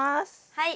はい！